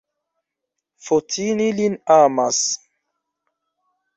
Fotini lin amas?